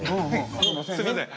すいません